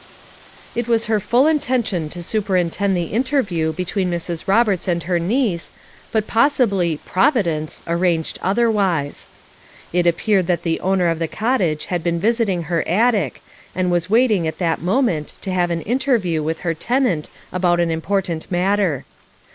It was her full intention to supei'intend the interview between Mrs. Roberts and her niece, but possibly "Providence" arranged otherwise. It appeared that the owner of the cottage had been visiting her attic, and was waiting at that moment to have an interview with her tenant about an important matter.